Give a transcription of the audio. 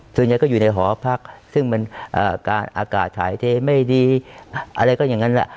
ส่วนใหญ่ก็อยู่ในหอพักซึ่งมันอากาศถ่ายเทไม่ดีอะไรก็อย่างนั้นแหละ